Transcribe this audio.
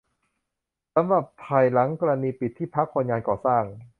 สำหรับไทย หลังกรณีปิดที่พักคนงานก่อสร้าง